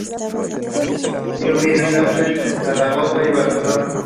Estudió Bellas Artes en Tarragona y Barcelona.